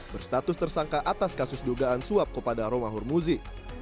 berstatus tersangka atas kasus dugaan suap kepada romahur muzi